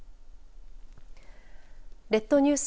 列島ニュース。